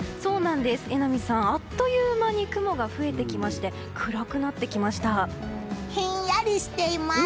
榎並さん、あっという間に雲が増えてきましてひんやりしています。